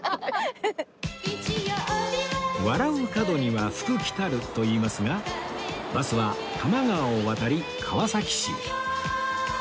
「笑う門には福来たる」といいますがバスは多摩川を渡り川崎市へ